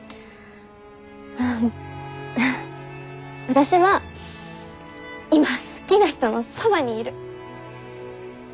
私は今好きな人のそばにいる。